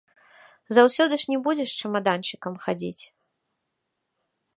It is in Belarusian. Заўсёды ж не будзеш з чамаданчыкам хадзіць.